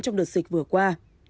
trong đợt dịch vừa qua